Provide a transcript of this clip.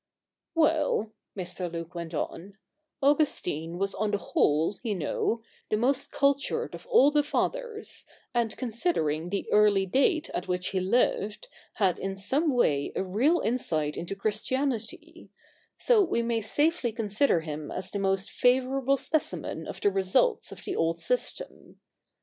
'Well,' Mr. Luke went on, 'Augustine was on the whole, you know, the most cultured of all the Fathers, and, considering the early date at which he lived, had in some way a real insight into Christianity ; so we may safely consider him as the most favourable specimen of the results of the old system.